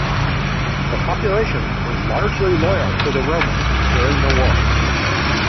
The population was largely loyal to the Romans during the war.